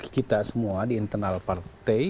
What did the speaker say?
kita semua di internal partai